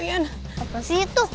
apa sih itu